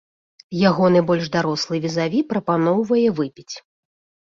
Ягоны больш дарослы візаві прапаноўвае выпіць.